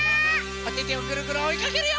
おててをぐるぐるおいかけるよ！